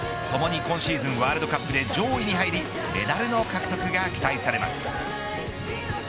ともに今シーズンワールドカップで上位に入りメダルの獲得が期待されます。